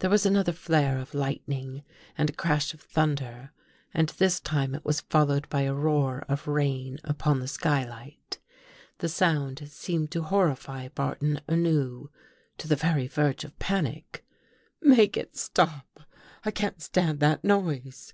There was another flare of lightning and a crash of thunder and this time it was followed by a roar of rain upon the skylight. The sound seemed to horrify Barton anew, to the very verge of panic. " Make it stop. I can't stand that noise."